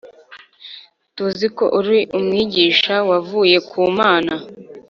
” “tuzi ko uri umwigisha wavuye ku Mana